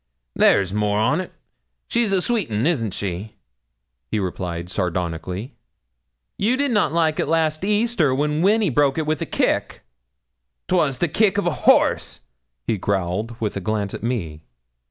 there's more on't. She's a sweet un. Isn't she?' he replied sardonically. 'You did not like it last Easter, when Winny broke it with a kick.' ''Twas a kick o' a horse,' he growled with a glance at me.